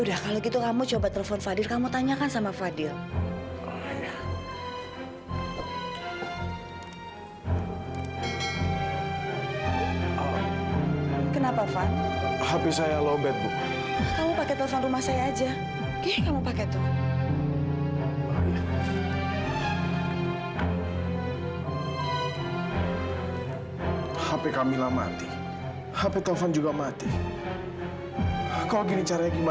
sampai jumpa di video selanjutnya